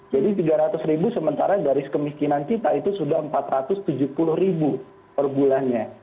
jadi rp tiga ratus sementara garis kemiskinan kita itu sudah rp empat ratus tujuh puluh per bulannya